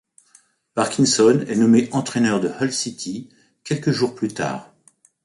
Parkinson est nommé entraîneur de Hull City quelques jours plus tard.